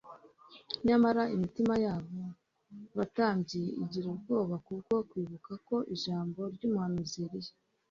Nyamara imitima yabo batambyi igira ubwoba kubwo kwibuka ko ijambo ryumuhanuzi Eliya